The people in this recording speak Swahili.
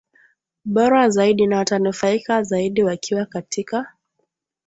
bora zaidi na watanufaika zaidi wakiwa katika